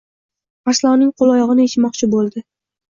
Arslonning qo‘l-oyog‘ini yechmoqchi bo‘ldi.